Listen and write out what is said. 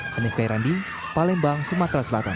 hanif kairandi palembang sumatera selatan